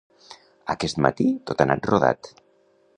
Aquest matí, tot ha anat rodat.